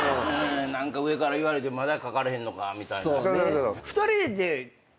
何か上から言われてまだ書かれへんのかみたいな。